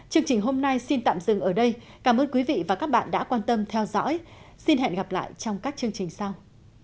chương trình hôm nay xin tạm dừng ở đây cảm ơn quý vị và các bạn đã quan tâm theo dõi xin hẹn gặp lại trong các chương trình sau